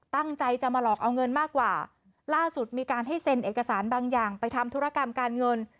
ตั้งใจจะมาหลอกเอาเงินมากกว่าล่าสุดมีการให้เซ็นเอกสารบางอย่างไปทำธุรกรรมการเงิน